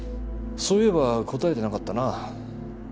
そういえば答えてなかったな。